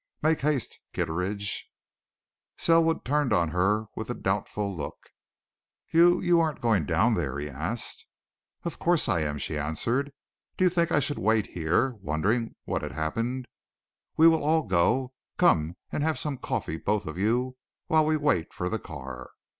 Make haste, Kitteridge." Selwood turned on her with a doubtful look. "You you aren't going down there?" he asked. "Of course I am!" she answered. "Do you think I should wait here wondering what had happened? We will all go come and have some coffee, both of you, while we wait for the car."